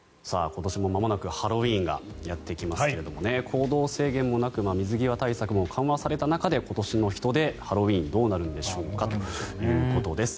今年もまもなくハロウィーンがやってきますが行動制限もなく水際対策も緩和された中で今年の人出ハロウィーンどうなるんでしょうかということです。